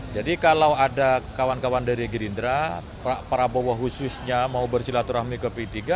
jadi kalau ada kawan kawan dari girindra prabowo khususnya mau bersilaturahmi ke p tiga